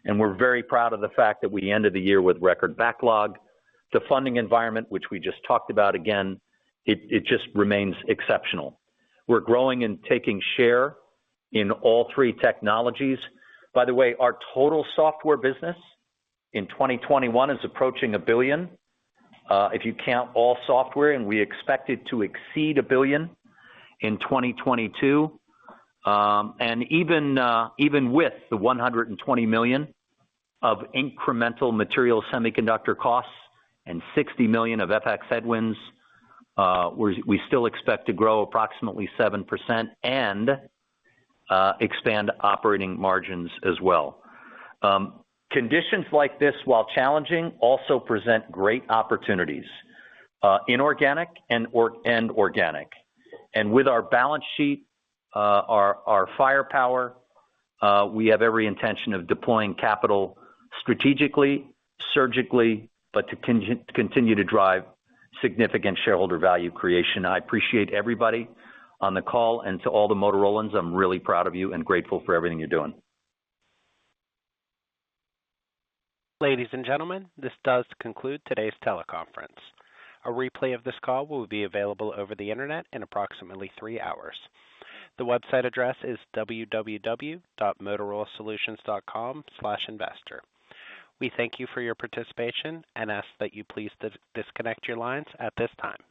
Speaker 3: and we're very proud of the fact that we ended the year with record backlog. The funding environment, which we just talked about again, it just remains exceptional. We're growing and taking share in all three technologies. By the way, our total software business in 2021 is approaching $1 billion, if you count all software, and we expect it to exceed $1 billion in 2022. Even with the $120 million of incremental material semiconductor costs and $60 million of FX headwinds, we still expect to grow approximately 7% and expand operating margins as well. Conditions like this, while challenging, also present great opportunities, inorganic and organic. With our balance sheet, our firepower, we have every intention of deploying capital strategically, surgically, but to continue to drive significant shareholder value creation. I appreciate everybody on the call and to all the Motorolans. I'm really proud of you and grateful for everything you're doing.
Speaker 1: Ladies and gentlemen, this does conclude today's teleconference. A replay of this call will be available over the internet in approximately three hours. The website address is www.motorolasolutions.com/investor. We thank you for your participation and ask that you please disconnect your lines at this time.